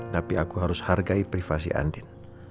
tapi aku harus hargai privasi andin